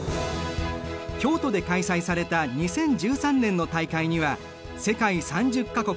京都で開催された２０１３年の大会には世界３０か国